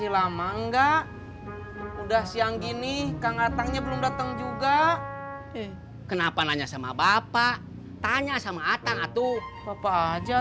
l lotus tengah